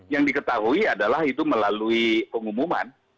yang diketahui adalah itu melalui pengumuman